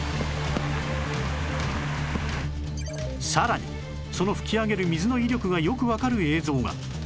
さらにその噴き上げる水の威力がよくわかる映像が